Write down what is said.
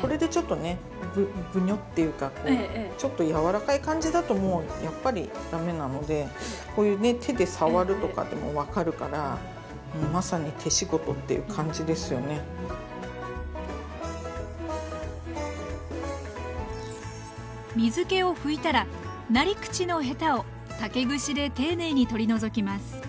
これでちょっとねぶにょっていうかちょっと柔らかい感じだともうやっぱり駄目なのでこういうね水けを拭いたらなり口のヘタを竹串で丁寧に取り除きます